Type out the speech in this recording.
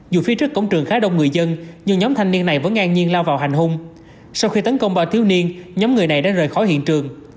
dù phía trước cổng trường khá đông người dân nhưng nhóm thanh niên này vẫn ngang nhiên lao vào hành hung sau khi tấn công ba thiếu niên nhóm người này đã rời khỏi hiện trường